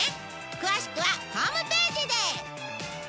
詳しくはホームページで！